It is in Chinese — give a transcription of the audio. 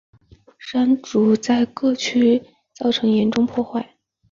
山竹在各区造成严重破坏。